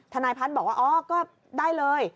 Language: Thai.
ทนายพัฒน์บอกว่าอ๋อก็ได้เลย